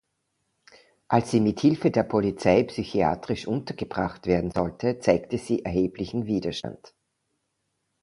Als sie mit Hilfe der Polizei psychiatrisch untergebracht werden sollte, zeigte sie erheblichen Widerstand.